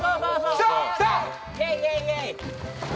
来た！